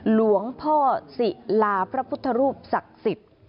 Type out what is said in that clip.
หลวงพ่อศิลาพระพุทธรูปศักดิ์สิทธิ์